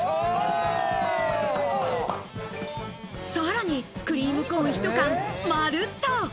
さらにクリームコーン１缶まるっと。